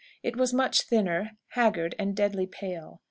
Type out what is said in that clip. It was much thinner, haggard, and deadly pale.